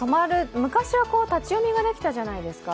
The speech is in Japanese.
昔は立ち読みができたじゃないですか。